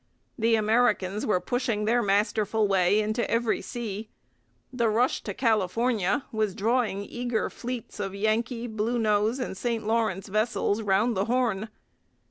The Americans were pushing their masterful way into every sea. The rush to California was drawing eager fleets of Yankee, Bluenose, and St Lawrence vessels round the Horn.